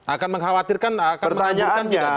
akan mengkhawatirkan akan menghancurkan juga kira kira